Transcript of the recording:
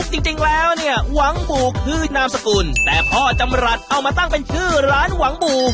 จริงแล้วเนี่ยหวังบู่คือนามสกุลแต่พ่อจำรัฐเอามาตั้งเป็นชื่อร้านหวังบู่